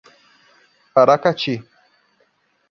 Aracati